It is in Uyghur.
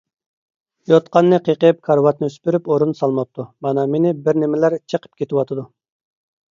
يوتقاننى قېقىپ، كارىۋاتنى سۈپۈرۈپ ئورۇن سالماپتۇ، مانا مېنى بىرنېمىلەر چېقىپ كېتىۋاتىدۇ.